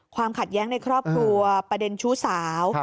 ความขัดแย้งในครอบครัวประเด็นชู้สาว